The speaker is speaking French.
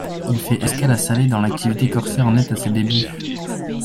Il fait escale à Salé, dont l'activité corsaire en est à ses débuts.